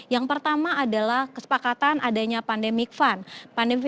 yang pertama adalah kesepakatan adanya pandemic fund